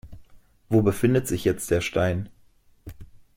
Wo befindet sich jetzt der Stein?